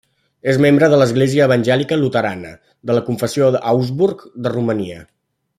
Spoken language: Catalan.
És membre de l'Església Evangèlica luterana de la Confessió Augsburg de Romania.